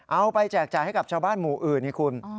เอาไปแจกจ่ายให้กับชาวบ้านหมู่อื่นให้คุณ